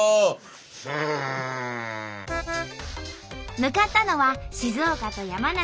向かったのは静岡と山梨の県境。